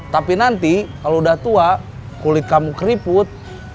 tapi nanti kalau udah tua kulit kamu keriput